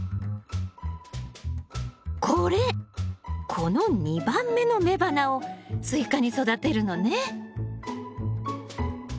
この２番目の雌花をスイカに育てるのね。